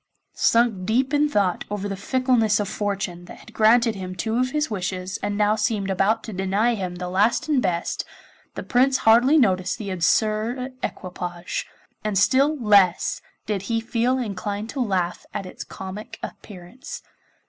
Sunk deep in thought over the fickleness of fortune that had granted him two of his wishes and now seemed about to deny him the last and best, the Prince hardly noticed the absurd equipage, and still less did he feel inclined to laugh at its comic appearance.